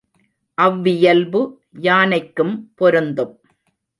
அவ்வியல்பு யானைக்கும் பொருந்தும்.